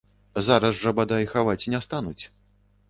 Зараз жа, бадай, хаваць не стануць.